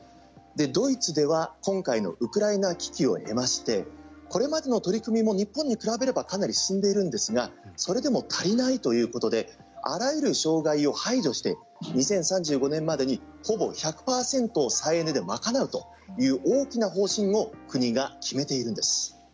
ドイツでは今回のウクライナ危機を経ましてこれまでの取り組みも日本に比べればかなり進んでいるんですがそれでも足りないということであらゆる障害を排除して２０３５年までにほぼ１００％を再エネで賄うという大きな方針を国が決めているんです。